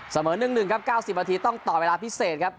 เสมอ๑๑ครับ๙๐นาทีต้องต่อเวลาพิเศษครับ